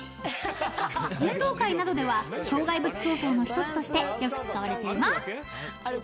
［運動会などでは障害物競走の一つとしてよく使われています］